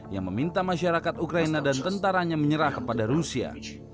yang meminta masyarakat ukraina dan tentaranya menyerah kepada rusia